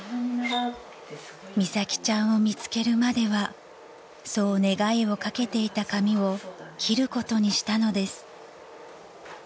［美咲ちゃんを見つけるまではそう願いを掛けていた髪を切ることにしたのです］